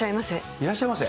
いらっしゃいませ？